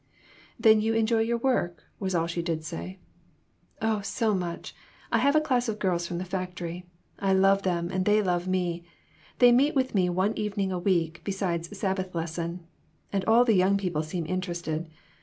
"Then you enjoy your work?" was all she did say. "Oh, so much! I have a class of girls from the factory. I love them, and they love me. They meet with me one evening a week, beside Sabbath lesson, and all the young people seem interested.